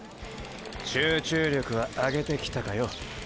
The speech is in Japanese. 集中力は上げてきたかよ。